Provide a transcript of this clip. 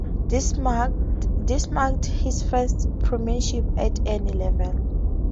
This marked his first premiership at any level.